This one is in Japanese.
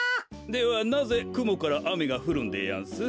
ではなぜくもからあめがふるんでやんす？